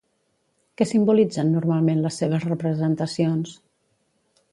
Què simbolitzen normalment les seves representacions?